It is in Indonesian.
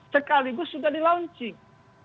sekaligus sudah dilaunching